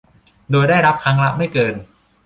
โดยได้รับครั้งละไม่เกิน